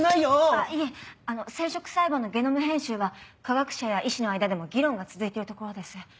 あっいえ生殖細胞のゲノム編集は科学者や医師の間でも議論が続いているところです。